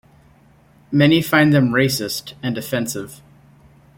Many find them racist and offensive.